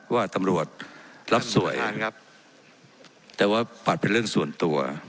ว่าตำรวจรับสวยครับแต่ว่าปัดเป็นเรื่องส่วนตัว